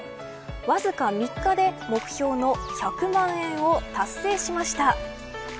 わずか３日で目標の１００万円を達成しました。